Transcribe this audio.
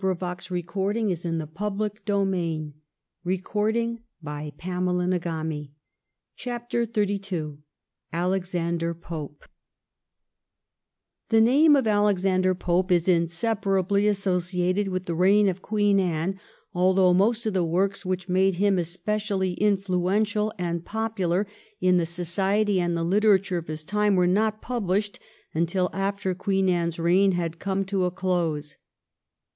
Walpole already saw his way, and was only waiting for his time. 235 CHAPTEE XXXn ALEXANDER POPE I The name of Alexander Pope is inseparably associated with the reign of Queen Anne, although most of the works which made him especially influ ential and popular in the society and the hterature of his time were not published until after Queen Anne's reign had come to its close.